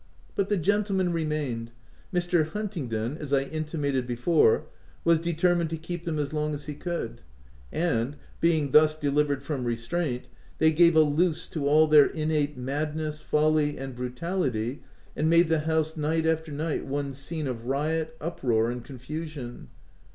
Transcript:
But the gentlemen remained : Mr. Huntingdon, as I intimated before, was determined to keep them as long as he could ; and, being thus delivered from restraint, they gave a loose to all their innate madness, folly, and brutality, and made the house night after night one scene of riot, uproar, and confusion.